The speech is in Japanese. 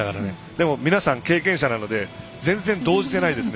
でも皆さん経験者の中で全然動じていないですね。